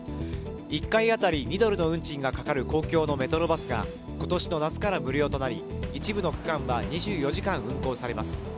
１回当たり２ドルの運賃がかかる公共のメトロバスが今年の夏から無料となり一部の区間は２４時間運行されます。